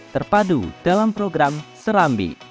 terpadu dalam program serambi